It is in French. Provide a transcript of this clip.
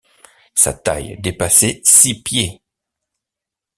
Sa taille dépassait six pieds.